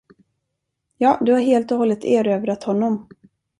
Ja, du har helt och hållet erövrat honom.